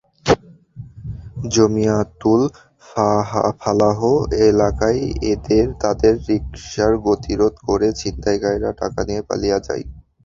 জমিয়াতুল ফালাহ এলাকায় তাঁদের রিকশার গতিরোধ করে ছিনতাইকারীরা টাকা নিয়ে পালিয়ে যায়।